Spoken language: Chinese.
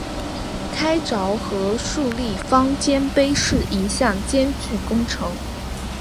开凿和竖立方尖碑是一项艰巨工程。